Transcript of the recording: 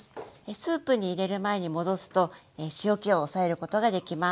スープに入れる前に戻すと塩けを抑えることができます。